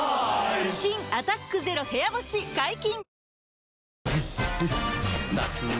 新「アタックＺＥＲＯ部屋干し」解禁‼